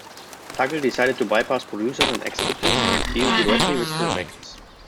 Tuggle decided to bypass producers and executives and deal directly with filmmakers.